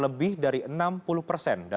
kita mencukupi ya